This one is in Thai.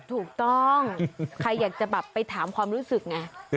ถูกต้องใครอยากจะแบบไปถามความรู้สึกไง